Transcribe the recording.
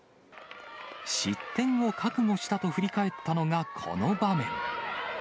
失点を覚悟したと振り返ったのがこの場面。